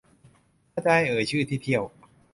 ถ้าจะให้เอ่ยชื่อที่เที่ยว